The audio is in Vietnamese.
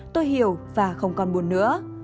tôi hiểu và không còn buồn nữa